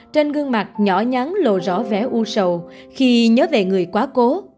trên gương mặt nhỏ nhắn lộ rõ vẻ u sầu khi nhớ về người quá cố